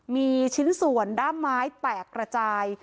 มีชิ้นส่วนด้ามไม้แตกระจาย